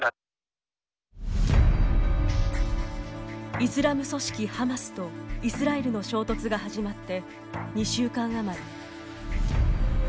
イスラム組織ハマスとイスラエルの衝突が始まって２週間余り。